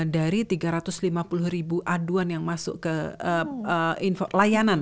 dari tiga ratus lima puluh ribu aduan yang masuk ke layanan